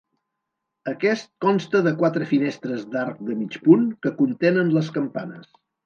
Aquest consta de quatre finestres d'arc de mig punt que contenen les campanes.